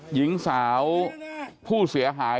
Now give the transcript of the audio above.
หญิงสาวผู้เสียหาย